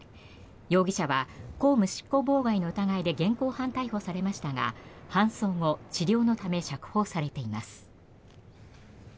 容疑者は公務執行妨害の疑いで現行犯逮捕されましたが搬送後、治療のため釈放されています。